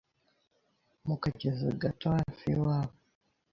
mu kagezi gato hafi y’iwabo.